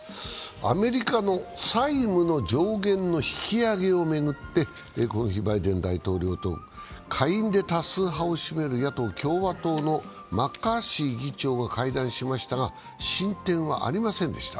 アメリカの債務の上限の引き上げを巡って、この日、バイデン大統領と下院で多数派を占める野党・共和党のマッカーシー議長が会談しましたが進展はありませんでした。